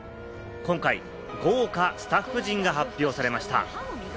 今回、豪華スタッフ陣が発表されました。